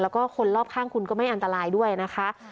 แล้วก็คนรอบข้างคุณก็ไม่อันตรายด้วยนะคะ